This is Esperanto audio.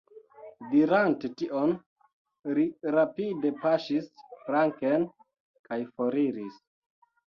Dirante tion, li rapide paŝis flanken kaj foriris.